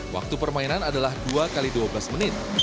waktu permainan adalah dua x dua belas menit